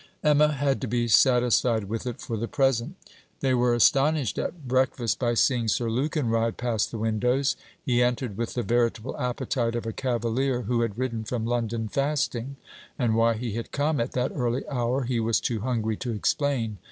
Emma had to be satisfied with it, for the present. They were astonished at breakfast by seeing Sir Lukin ride past the windows. He entered with the veritable appetite of a cavalier who had ridden from London fasting; and why he had come at that early hour, he was too hungry to explain.